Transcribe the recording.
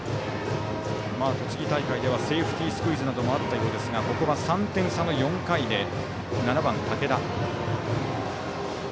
栃木大会ではセーフティースクイズなどもあったようですがここは３点差の４回で７番、武田。